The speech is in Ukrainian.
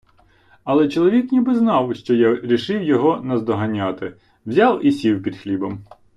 Але чоловік ніби знав, що я рішив його наздоганяти, взяв і сів під хлібом.